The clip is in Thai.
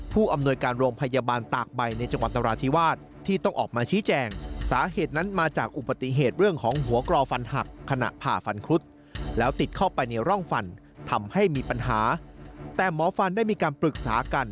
ผู้อำนวยการโรงพยาบาลตากใบในจังหวัดตราวราธิวาส